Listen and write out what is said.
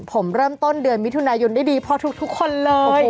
ผมเริ่มต้นเดือนมิถุนายนได้ดีพอทุกคนเลย